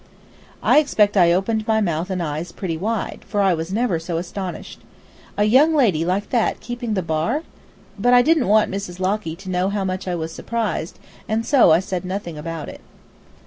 I expect I opened my mouth and eyes pretty wide, for I was never so astonished. A young lady like that keeping the bar! But I didn't want Mrs. Locky to know how much I was surprised, and so I said nothing about it.